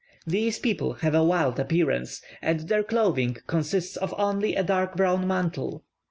These people have a wild appearance, and their clothing consists of only a dark brown mantle.